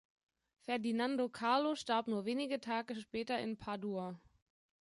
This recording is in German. Ferdinando Carlo starb nur wenige Tage später in Padua.